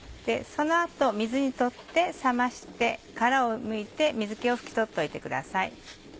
その後水に取って冷まして殻をむいて水気を拭き取っておいてください。